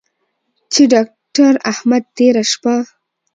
چې داکتر احمد تېره شپه